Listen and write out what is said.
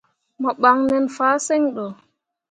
Mo ɓan nen fahsǝŋ ɗo.